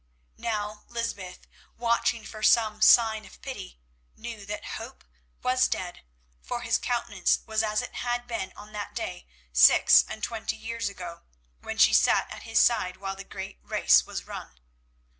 Now Lysbeth, watching for some sign of pity, knew that hope was dead, for his countenance was as it had been on that day six and twenty years ago, when she sat at his side while the great race was run.